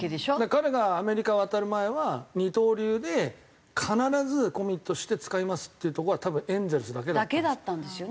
彼がアメリカ渡る前は二刀流で必ずコミットして使いますっていうとこは多分エンゼルスだけだったんですよ。